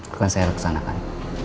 bukan saya reksanakan